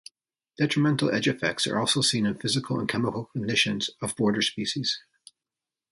Detrimental edge effects are also seen in physical and chemical conditions of border species.